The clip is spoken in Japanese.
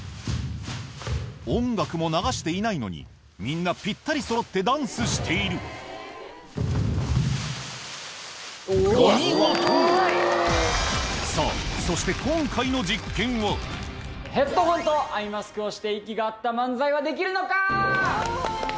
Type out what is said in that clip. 音楽も流していないのにみんなぴったりそろってダンスしているさぁそしてヘッドホンとアイマスクをして息が合った漫才はできるのか⁉おぉ！